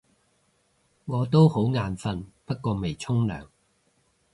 我都好眼瞓，不過未沖涼